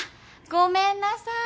ごめんなさい。